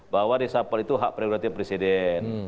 bahwa resapel itu hak prerogatif presiden